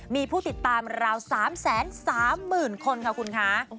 มีผู้ติดตามราว๓แสน๓หมื่นคนค่ะคุณค้า